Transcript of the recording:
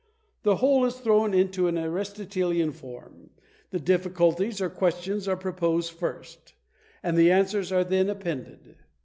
The whole is thrown into an Aristotelian form; the difficulties or questions are proposed first, and the answers are then appended.